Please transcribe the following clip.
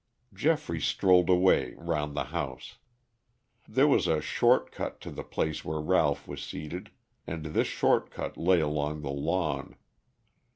Geoffrey strolled away round the house. There was a short cut to the place where Ralph was seated, and this short cut lay along the lawn.